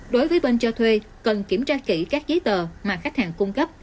đối với bên cho thuê cần kiểm tra kỹ các giấy tờ mà khách hàng cung cấp